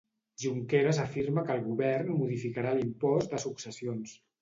Junqueras afirma que el Govern modificarà l'impost de successions.